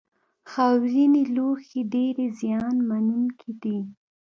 خاورینې لوحې ډېرې زیان منونکې دي.